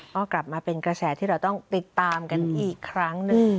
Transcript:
ก็กลับมาเป็นกระแสที่เราต้องติดตามกันอีกครั้งหนึ่ง